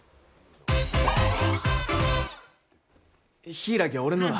柊は俺のだ。